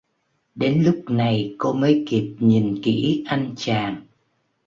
Đến lúc này cô mới kịp Nhìn kỹ anh chàng